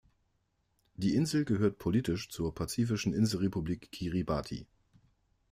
Die Insel gehört politisch zur pazifischen Inselrepublik Kiribati.